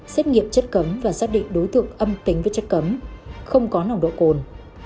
xét nghiệm chất cấm và xác định đối tượng âm tính với chất cấm không có nồng độ cồn